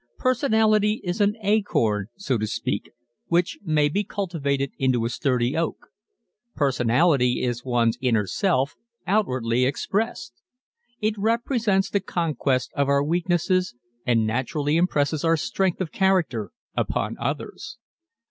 Personality is an acorn, so to speak, which may be cultivated into a sturdy oak. Personality is one's inner self outwardly expressed. It represents the conquest of our weaknesses and naturally impresses our strength of character upon others.